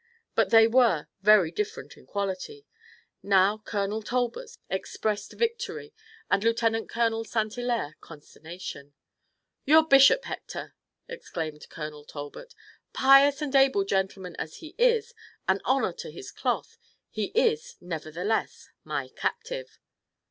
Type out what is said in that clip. But they were very different in quality. Now Colonel Talbot's expressed victory and Lieutenant Colonel St. Hilaire's consternation. "Your bishop, Hector!" exclaimed Colonel Talbot. "Pious and able gentleman as he is, an honor to his cloth, he is nevertheless my captive."